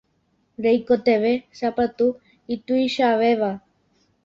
Reikotevẽ sapatu ituichavéva.